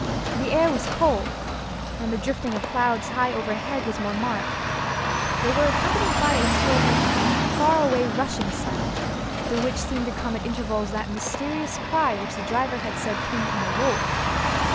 The air was cold, and the drifting of clouds high overhead was more marked. They were accompanied by a sort of far away rushing sound, through which seemed to come at intervals that mysterious cry which the driver had said came from a wolf.